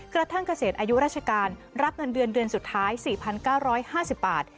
กระทั่งเกษตรอายุราชกาลรับเงินเดือนสุดท้าย๔๙๕๐บาท